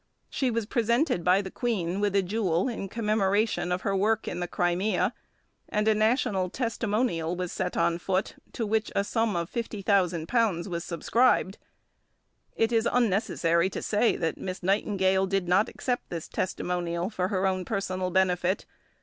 She was presented by the Queen with a jewel in commemoration of her work in the Crimea, and a national testimonial was set on foot, to which a sum of £50,000 was subscribed. It is unnecessary to say that Miss Nightingale did not accept this testimonial for her own personal benefit.